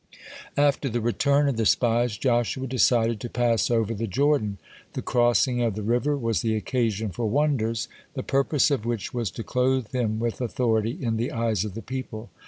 (13) After the return of the spies, Joshua decided to pass over the Jordan. The crossing of the river was the occasion for wonders, the purpose of which was to clothe him with authority in the eyes of the people.